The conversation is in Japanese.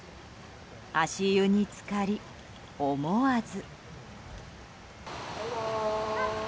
足湯につかり、思わず。